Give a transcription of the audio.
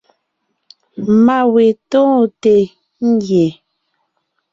Má we tóonte ngie.